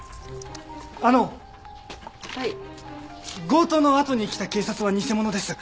強盗のあとに来た警察は偽者です。